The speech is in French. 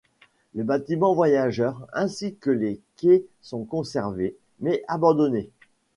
Le bâtiment voyageurs, ainsi que les quais sont conservés, mais abandonnés.